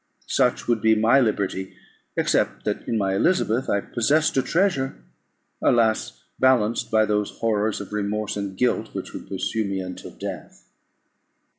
Such would be my liberty, except that in my Elizabeth I possessed a treasure; alas! balanced by those horrors of remorse and guilt, which would pursue me until death.